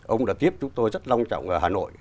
ông đã tiếp chúng tôi rất long trọng ở hà nội